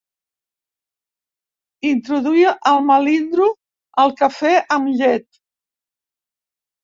Introduir el melindro al cafè amb llet.